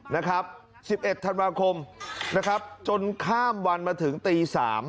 นะครับ๑๑ธันวาคมนะครับจนข้ามวันมาถึงตี๓